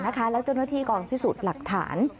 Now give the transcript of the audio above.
เเร็วจุดเนื้อที่กรรณฟิสูจน์หลักฐาน